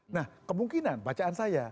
nah kemungkinan bacaan saya